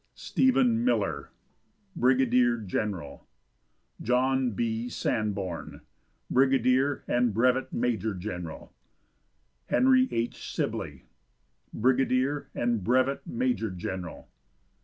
Stephen Miller, Brigadier General. John B. Sanborn, Brigadier and Brevet Major General. Henry H. Sibley, Brigadier and Brevet Major General.